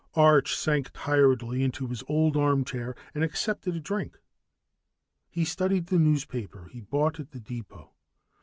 Arch sank tiredly into his old armchair and accepted a drink. He studied the newspaper he'd bought at the depot.